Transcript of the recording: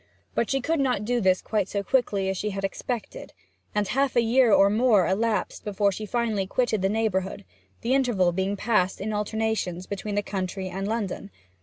But she could not do this quite so quickly as she had expected, and half a year or more elapsed before she finally quitted the neighbourhood, the interval being passed in alternations between the country and London.